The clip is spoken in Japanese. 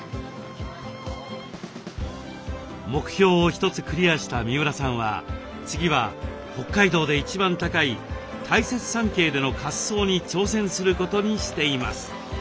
目標を一つクリアした三浦さんは次は北海道で一番高い大雪山系での滑走に挑戦することにしています。